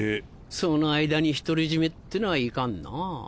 その間に独り占めってのはいかんなぁ。